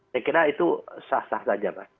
saya kira itu sah sah saja pak